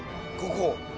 ここ。